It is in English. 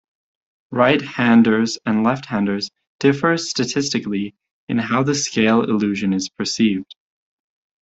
Right-handers and left-handers differ statistically in how the scale illusion is perceived.